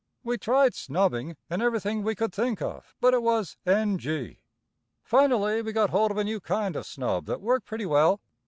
"We tried 'snubbing' and everything we could think of, but it was N.G. "Finally we got hold of a new kind of 'snub' that worked pretty well.